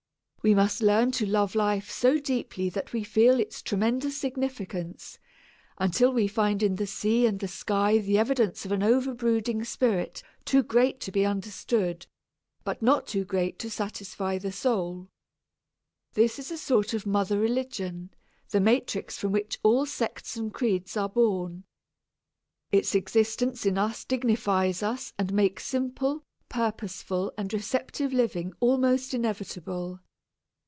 We must learn to love life so deeply that we feel its tremendous significance, until we find in the sea and the sky the evidence of an overbrooding spirit too great to be understood, but not too great to satisfy the soul. This is a sort of mother religion the matrix from which all sects and creeds are born. Its existence in us dignifies us and makes simple, purposeful, and receptive living almost inevitable.